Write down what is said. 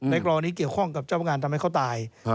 ในกรณ์กรณีนี้เกี่ยวข้องกับเจ้าพงานทำให้เขาตาย